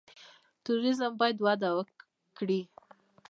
توریزم باید وده وکړي